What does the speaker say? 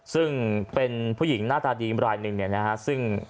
ซึ่งเป็นผู้หญิงหน้าตาดีรายหนึ่ง